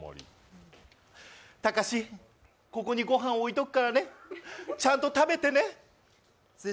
たかし、ここにご飯置いておくからね、ちゃんと食べてね。